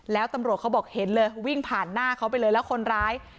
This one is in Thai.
แล้วตำรวจเขาบอกเห็นเลยวิ่งผ่านหน้าเขาไปเลยแล้วคนร้าย